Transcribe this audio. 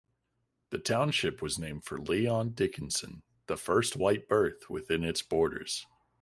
The township was named for Leon Dickinson, the first white birth within its borders.